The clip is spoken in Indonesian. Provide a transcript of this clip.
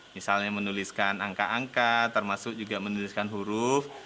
misalnya menuliskan angka angka termasuk juga menuliskan huruf